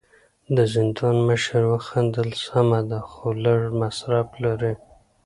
د زندان مشر وخندل: سمه ده، خو لږ مصرف لري.